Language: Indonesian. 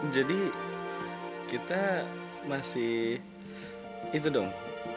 jadi kita masih itu dong